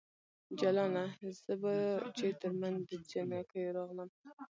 جلانه ! زه به چې ترمنځ د جنکیو راغلم